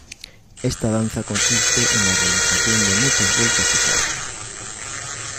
Esta danza consiste en la realización de muchas vueltas y saltos.